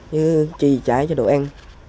chứ chi trái cho đồ ăn